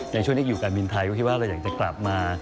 ในช่วงที่อยู่การบินไทยก็คิดว่าเราอยากจะกลับมา